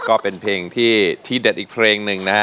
ก็เป็นเพลงที่เด็ดอีกเพลงหนึ่งนะฮะ